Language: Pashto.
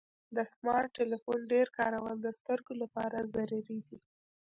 د سمارټ ټلیفون ډیر کارول د سترګو لپاره ضرري دی.